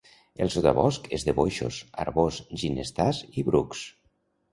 El sotabosc és de boixos, arboç, ginestars i brucs.